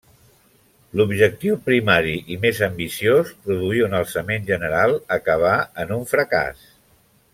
L'objectiu primari i més ambiciós, produir un alçament general, acabà en un fracàs.